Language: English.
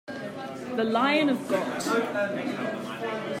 The lion of God.